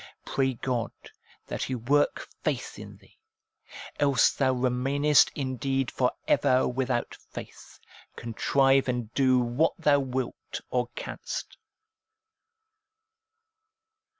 Pray God that He work faith in thee, else thou remainest indeed for ever without faith, contrive and do what thou wilt or canst.